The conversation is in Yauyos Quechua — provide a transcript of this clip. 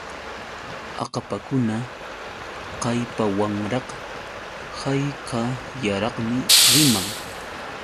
Akapakuna kallpawanraq hawkallaraqmi riman.